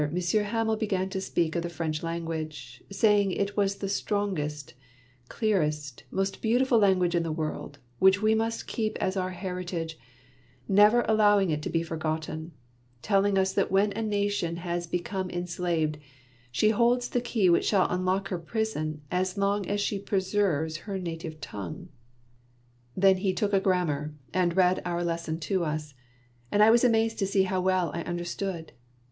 Monsieur Hamel began to speak of the French language, saying it was the strongest, clearest, most beautiful lan guage in the world, which we must keep as our heritage, never allowing it to be forgotten, telling us that when a nation has become enslaved, she 6 Monday Tales, holds the key which shall unlock her prison as long as she preserves her native tongue.^ Then he took a grammar, and read our lesson to us, and I was amazed to see how well I under stood.